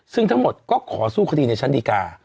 ซึ่งทั้งหมดก็ขอสู้คดีในชั้นดีกา